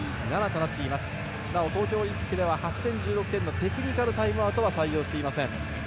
なお東京オリンピックでは８点、１６点のテクニカルタイムアウトは採用していません。